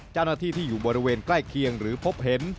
เจ้าหน้าที่ที่อยู่บริเวณใกล้เคียงหรือพบเห็น